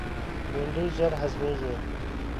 بېنډۍ ژر هضمیږي